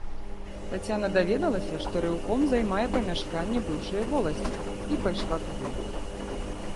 Таццяна даведалася, што рэўком займае памяшканне быўшае воласці, і пайшла туды.